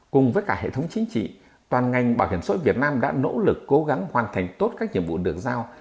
cùng với cả hệ thống chính trị toàn ngành bảo hiểm xã hội việt nam đã nỗ lực cố gắng hoàn thành tốt các nhiệm vụ được giao